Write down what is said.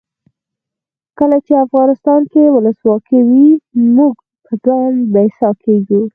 کله چې افغانستان کې ولسواکي وي موږ په ځان بسیا کیږو.